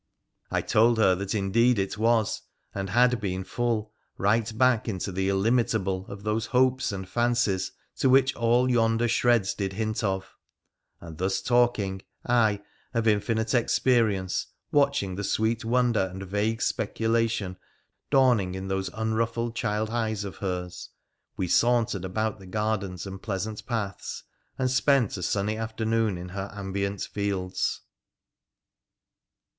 ' I told her that indeed it was and had been full, right bacl into the illimitable, of those hopes and fancies to which al yonder shreds did hint of ; and thus talking, I of infinite ex perience watching the sweet wonder and vague speculatior dawning in those unruffled child eyes of hers, we saunterec about the gardens and pleasant paths, and spent a sunnj afternoon in her ambient fields.